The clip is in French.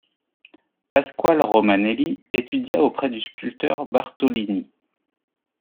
Pasquale Romanelli étudia auprès du sculpteur Bartolini.